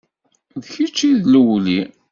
D kečč i d lewli.